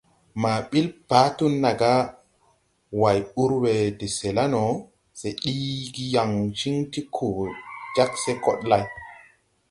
Ma ɓil Patu naga, Way ur we de se la no, se ɗiigi yaŋ ciŋ ti koo jag see koɗ lay.